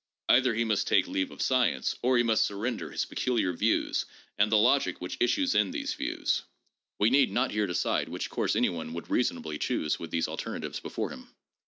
Either he must take leave of science, or he must surrender his peculiar views and the logic which issues in these views. We need not here decide which course anyone would reasonably choose with these alternatives before him.